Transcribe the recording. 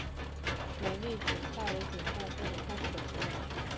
美丽堇菜为堇菜科堇菜属的植物。